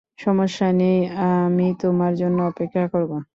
সমস্যা নেই, আমি তোমার জন্য অপেক্ষা করব।